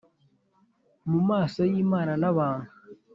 mu maso y’imana n’abantu